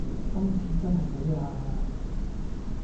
今次真係死啦